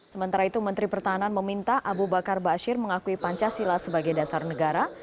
sementara itu menteri pertahanan meminta abu bakar bashir mengakui pancasila sebagai dasar negara